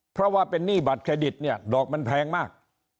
เพราะว่าเป็นหนี้บัตรเครดิตเนี่ยดอกมันแพงมาก